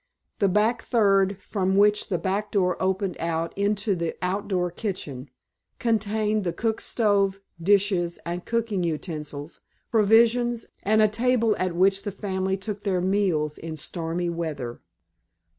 The back third, from which the back door opened out into the outdoor kitchen, contained the cook stove, dishes and cooking utensils, provisions, and a table at which the family took their meals in stormy weather.